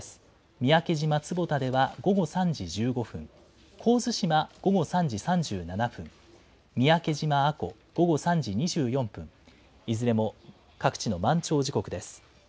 三宅島坪田では午後３時１５分、神津島午後３時３７分、三宅島阿古、午後３時２４分、いずれも各地の満潮時刻です。